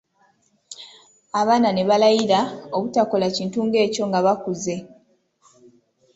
Abaana ne balayira obutakola kintu ng'ekyo nga bakuze.